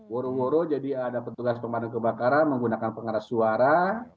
woro woro jadi ada petugas pemanang kebakaran menggunakan pengarah suara